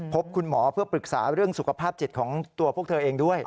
พบคุณหมอเพื่อปรึกษาเรื่องสุขภาพจิตของตัวพวกเธอเองด้วย